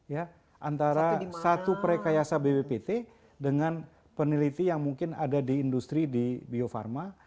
ya antara satu prekayasa bppt dengan peneliti yang mungkin ada di industri di bio farma